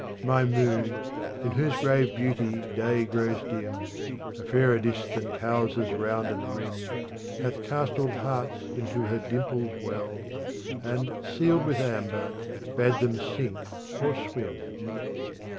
10 My moon, in whose grave beauty day grows dim, A fairer disk than Kowsar's ^ rounded rim. Hath cast all hearts into her dimple's well. And, sealed with amber, bade them sink or swim.